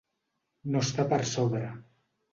No està per sobre.